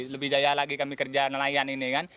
lebih jaya lagi kami kerja nelayan ini kan